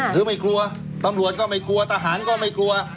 คือไม่กลัวตำรวจก็ไม่กลัวทหารก็ไม่กลัว